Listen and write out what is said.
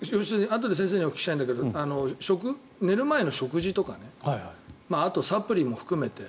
あとで先生にお聞きしたいんだけど寝る前の食事とかあと、サプリも含めて